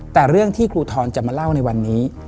แต่เรื่องที่ครูทรจะมาเล่าในวันนี้